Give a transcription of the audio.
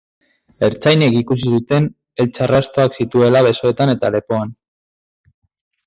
Ertzainek ikusi zuten heltze-arrastoak zituela besoetan eta lepoan.